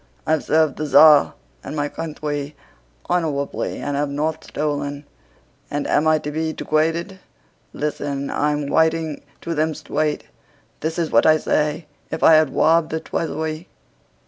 I've served the Tsar and my countwy honowably and have not stolen! And am I to be degwaded?... Listen, I'm w'iting to them stwaight. This is what I say: 'If I had wobbed the Tweasuwy...